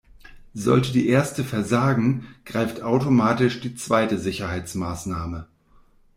Sollte die erste versagen, greift automatisch die zweite Sicherheitsmaßnahme.